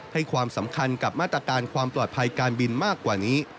ให้ความสำคัญกับมาตรการความปลอดภัยการบินมากกว่านี้